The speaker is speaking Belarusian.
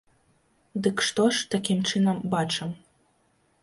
Дык што ж, такім чынам, бачым?